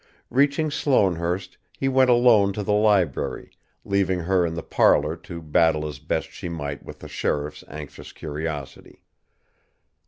Reaching Sloanehurst, he went alone to the library, leaving her in the parlour to battle as best she might with the sheriff's anxious curiosity.